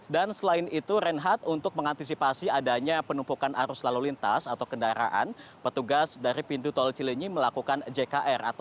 dan selain itu renhat untuk mengantisipasi adanya penumpukan arus lalu lintas atau kendaraan petugas dari pintu tol cilenyi melakukan jkr